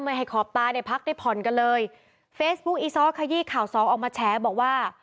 ให้ขอบตาได้พักได้ผ่อนกันเลยเฟซบุ๊คอีซ้อขยี้ข่าวสองออกมาแฉบอกว่า